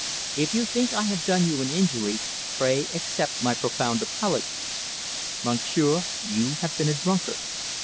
If you think I have done you an injury, pray accept my profound apologies. Monsieur, you have been a drunkard.